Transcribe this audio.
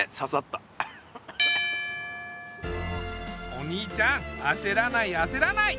お兄ちゃんあせらないあせらない。